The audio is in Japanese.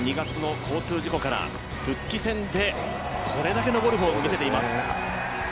昨年２月の交通事故から復帰戦でこれだけのゴルフを見せています。